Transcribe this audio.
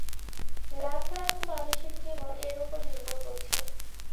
লাখ লাখ মানুষের জীবন এর ওপর নির্ভর করছে।